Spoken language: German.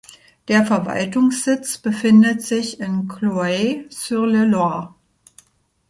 Der Verwaltungssitz befindet sich in Cloyes-sur-le-Loir.